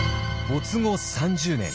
没後３０年。